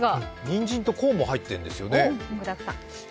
にんじんとコーンも入ってるんですよね。